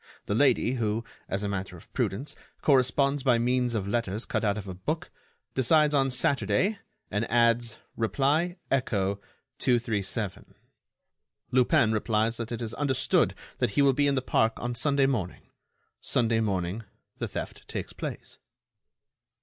The lady who, as a matter of prudence, corresponds by means of letters cut out of a book, decides on Saturday and adds: Reply Echo 237. Lupin replies that it is understood and that he will be in the park on Sunday morning. Sunday morning, the theft takes place."